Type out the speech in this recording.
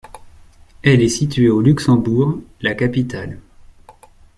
Elle est située à Luxembourg, la capitale.